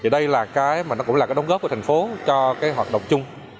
đây cũng là cái đóng góp của thành phố cho hoạt động chung